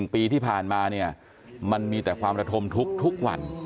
ปีที่ผ่านมาเนี่ยมันมีแต่ความระทมทุกวัน